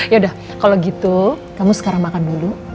yaudah kalo gitu kamu sekarang makan dulu